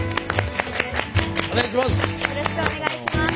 お願いします！